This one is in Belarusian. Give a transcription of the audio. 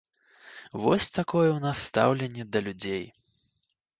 Вось такое ў нас стаўленне да людзей.